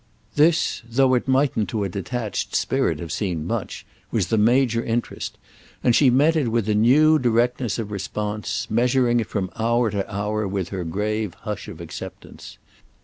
This—though it mightn't to a detached spirit have seemed much—was the major interest, and she met it with a new directness of response, measuring it from hour to hour with her grave hush of acceptance.